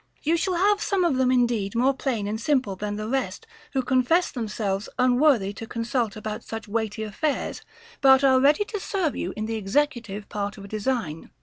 You shall have some of them indeed more plain and simple than the rest, who confess themselves unworthy to consult about such weighty affairs, but are ready to serve you in the executive part of a design.